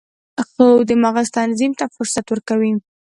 خوب د مغز تنظیم ته فرصت ورکوي